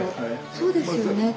そうですよね。